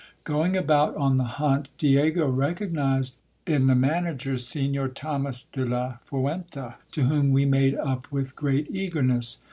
Going about on the hunt, Diego recognized in the manager Signor Thomas de la Fuenta, to whom we made up with great eagerness.